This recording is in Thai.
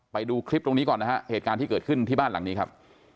ไปดูคลิปตรงนี้ก่อนนะฮะเหตุการณ์ที่เกิดขึ้นที่บ้านหลังนี้ครับ